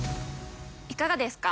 いかがですか？